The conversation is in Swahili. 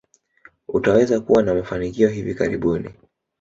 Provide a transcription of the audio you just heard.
Utaweza kuwa na mafanikia hivi karibuni.